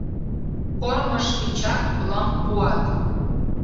Кормыж тичак лыҥ пуат